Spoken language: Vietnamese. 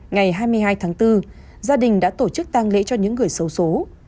ngày hai mươi hai tháng bốn gia đình đã tổ chức tăng lễ cho những người xấu xố